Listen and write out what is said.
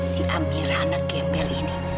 si amira anak kembel ini